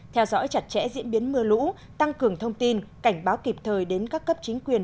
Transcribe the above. theo dõi chặt chẽ diễn biến mưa lũ tăng cường thông tin cảnh báo kịp thời đến các cấp chính quyền